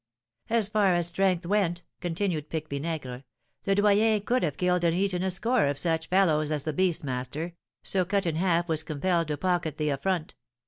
"As far as strength went," continued Pique Vinaigre, "Le Doyen could have killed and eaten a score of such fellows as the beast master, so Cut in Half was compelled to pocket the affront.